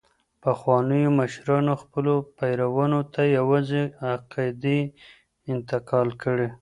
پخوانیو مشرانو خپلو پیروانو ته یوازي عقدې انتقال کړې.